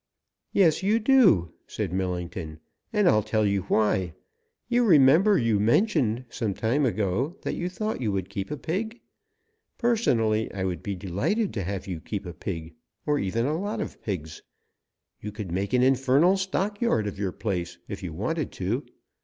"Yes you do!" said Millington. "And I'll tell you why. You remember you mentioned, some time ago, that you thought you would keep a pig? Personally I would be delighted to have you keep a pig or even a lot of pigs. You could make an infernal stock yard of your place if you wanted to.